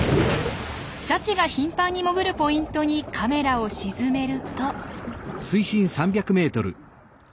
シャチが頻繁に潜るポイントにカメラを沈めると。